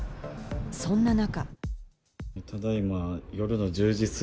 そんな中。